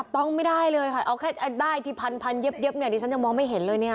ต้องไม่ได้เลยค่ะเอาแค่ได้ที่พันเย็บนี่ฉันจะมองไม่เห็นเลย